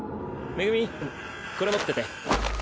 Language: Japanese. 恵これ持ってて。